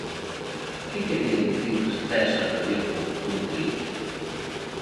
Que quería dicir César Vallejo con Trilce?